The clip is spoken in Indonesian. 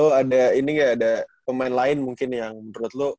lu ada ini nggak ada pemain lain mungkin yang menurut lu